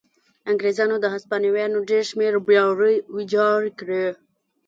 انګرېزانو د هسپانویانو ډېر شمېر بېړۍ ویجاړې کړې.